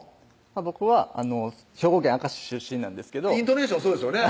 僕は兵庫県明石市出身なんですけどイントネーションそうですよね